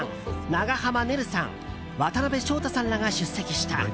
長濱ねるさん、渡辺翔太さんらが出席した。